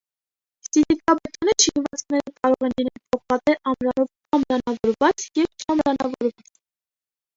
Սիլիկաբետոնե շինվածքները կարող են լինել պողպատե ամրանով ամրանավորված և չամրանավորված։